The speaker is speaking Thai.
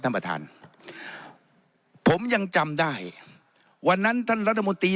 ท่านประธานผมยังจำได้วันนั้นท่านรัฐมนตรี